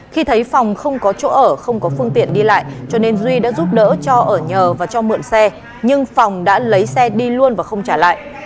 khi thấy phòng không có chỗ ở không có phương tiện đi lại cho nên duy đã giúp đỡ cho ở nhờ và cho mượn xe nhưng phòng đã lấy xe đi luôn và không trả lại